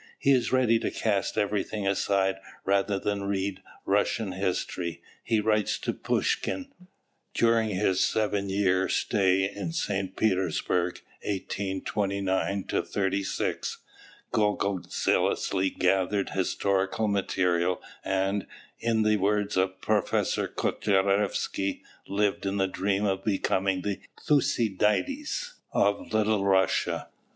He is "ready to cast everything aside rather than read Russian history," he writes to Pushkin. During his seven year stay in St. Petersburg (1829 36) Gogol zealously gathered historical material and, in the words of Professor Kotlyarevsky, "lived in the dream of becoming the Thucydides of Little Russia."